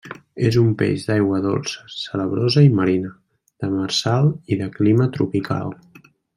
És un peix d'aigua dolça, salabrosa i marina; demersal i de clima tropical.